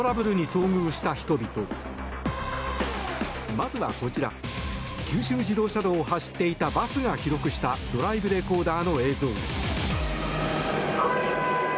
まずはこちら、九州自動車道を走っていたバスが記録したドライブレコーダーの映像。